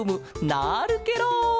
なるケロ！